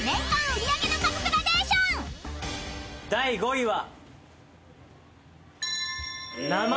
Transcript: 第５位は。